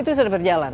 itu sudah berjalan